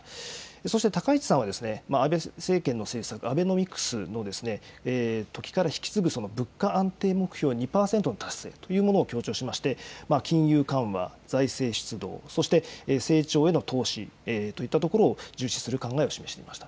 そして高市さんはですね、安倍政権の政策、アベノミクスのときから引き継ぐ物価安定目標２％の達成というものを強調しまして、金融緩和、財政出動、そして成長への投資といったところを重視する考えを示していました。